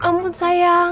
lu mau ke depan karin